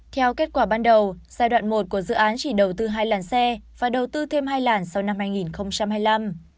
theo kết quả ban đầu giai đoạn một của dự án chỉ đầu tư hai làn xe và đầu tư thêm hai làn sau năm hai nghìn hai mươi năm